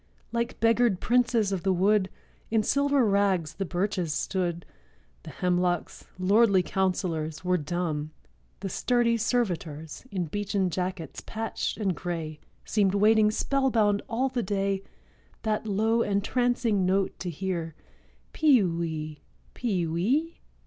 Like beggared princes of the wood, In silver rags the birches stood; The hemlocks, lordly counselors, Were dumb; the sturdy servitors, In beechen jackets patched and gray, Seemed waiting spellbound all the day That low, entrancing note to hear— 'Pe wee! pe wee!